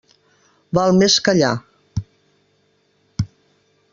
Val més callar.